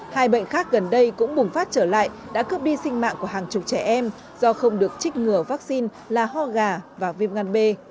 hai bệnh khác gần đây cũng bùng phát trở lại đã cướp đi sinh mạng của hàng chục trẻ em do không được trích ngừa vaccine là ho gà và viêm gan b